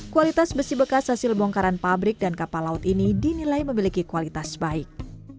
kualitas besi bekas hasil bongkaran pabrik dan kapal laut ini dinilai memiliki kualitas baik